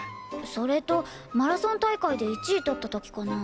それとマラソン大会で１位取った時かな。